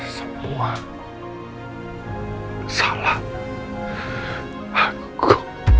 semua salah aku